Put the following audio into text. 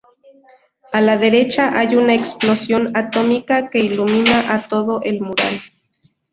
A la derecha hay una explosión atómica que ilumina a todo el mural.